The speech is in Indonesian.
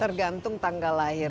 tergantung tanggal lahirnya